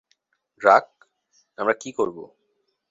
ড্রাক, আমরা কী করবো?